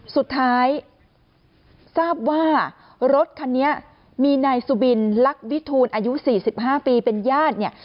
สุดท้ายทราบว่ารถคันนี้มีนายสุบินลักษวิทูลอายุ๔๕ปีเป็นญาติเนี่ย